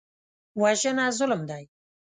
وژنه ظلم دی